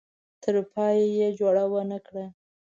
تر پایه یې جوړه ونه کړه.